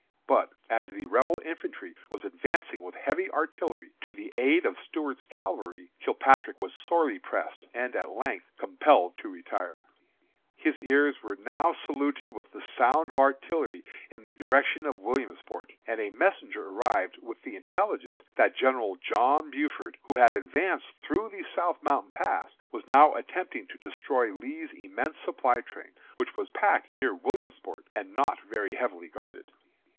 But, as the Rebel infantry was advancing with heavy artillery to the aid of Stuart's cavalry, Kilpatrick was sorely pressed, and, at length, compelled to retire. His ears were now saluted with the sound of artillery in the direction of Williamsport, and a messenger arrived with the intelligence that General John Buford, who had advanced through the South Mountain Pass, was now attempting to destroy Lee's immense supply train, which was packed near Williamsport, and not very heavily guarded.